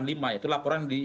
itu laporan di